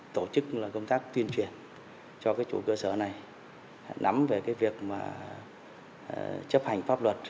tổ chức công tác tuyên truyền cho chủ cơ sở này nắm về việc chấp hành pháp luật